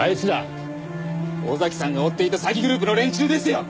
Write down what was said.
尾崎さんが追っていた詐欺グループの連中ですよ！